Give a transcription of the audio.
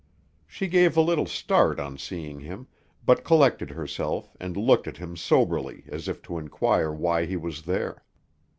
She gave a little start on seeing him, but collected herself, and looked at him soberly, as if to inquire why he was there.